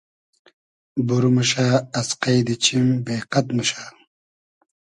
بور موشۂ از قݷدی چیم بې قئد موشۂ